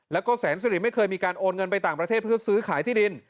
แล้วก็แสนสิริไม่เคยมีการโอนเงินไปต่างประเทศเพื่อซื้อขายที่ดิน